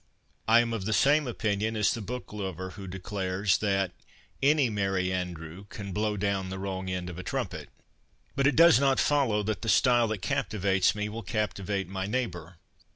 I am of the same opinion as the book lover who declares that ' any merry andrew can blow down the wrong end of a trumpet.' But it does not follow that the style that captivates me will captivate my neighbour.